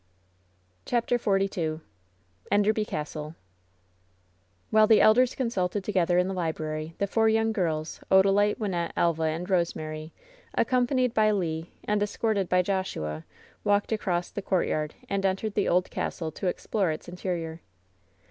LOVE'S BITTEREST CUE «6« SDHAPTER XLn EITDEBBY CASTLB While their elders consulted together in the Kbraiy the four young girls, Odalite, Wynnette, Elva and Eose mary, accompanied by Le and escorted by Joshua, walked across the courtyard, and entered the old castle to explore its interior.